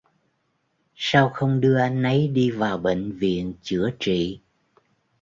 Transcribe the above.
Sao không đưa anh ấy đi vào bệnh viện chữa trị